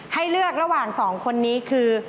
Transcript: ให้เลือกระหว่างสองคนนี้คือ